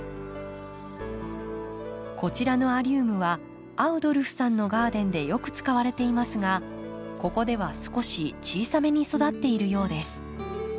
こちらのアリウムはアウドルフさんのガーデンでよく使われていますがここでは少し小さめに育っているようです。